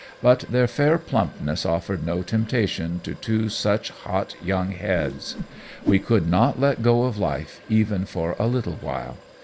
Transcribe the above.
But their fair plumpness offered no temptation to two such hot young heads. We could not let go of life even for a little while.